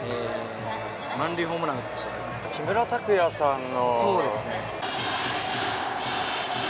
木村拓也さんの。